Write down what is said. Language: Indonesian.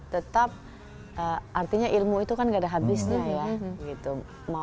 tetap artinya ilmu itu kan gak ada habisnya ya